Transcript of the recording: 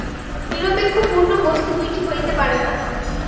নিরপেক্ষ পূর্ণ বস্তু দুইটি হইতে পারে না।